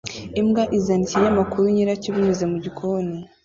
Imbwa izana ikinyamakuru nyiracyo binyuze mu gikoni